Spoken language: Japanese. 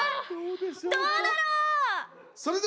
どうだろう？